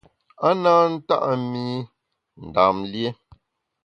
A na nta’ mi Ndam lié.